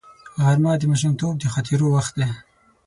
غرمه د ماشومتوب د خاطرو وخت دی